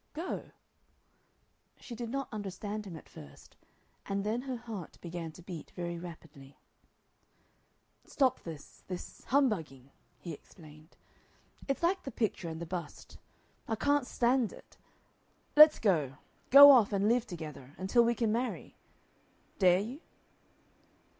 "Go!" She did not understand him at first, and then her heart began to beat very rapidly. "Stop this this humbugging," he explained. "It's like the Picture and the Bust. I can't stand it. Let's go. Go off and live together until we can marry. Dare you?"